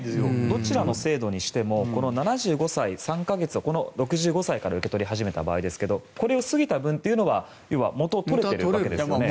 どちらの制度にしても７５歳３か月６５歳から受け取り始めた場合ですがこれを過ぎた分というのは要は元を取れてるわけですよね。